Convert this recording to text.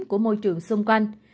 của môi trường xung quanh